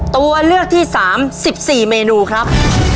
ตัวเลือกที่๓๑๔เมนูครับ